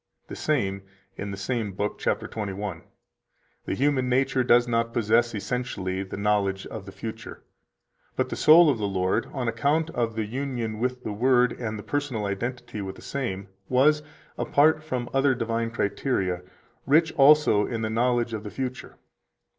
139 The same, in the same book, cap. 21: "The human nature does not possess essentially the knowledge of the future; but the soul of the Lord, on account of the union with the Word and the personal identity with the same, was, apart from other divine criteria, rich also in the knowledge of the future."